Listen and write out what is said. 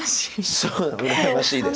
そう羨ましいです。